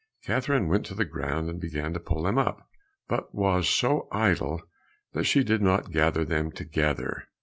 Catherine went to the ground, and began to pull them up, but was so idle that she did not gather them together.